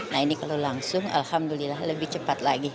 nah ini kalau langsung alhamdulillah lebih cepat lagi